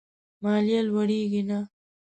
ماليه لوړېږي نه.